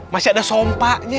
masih ada sompa nya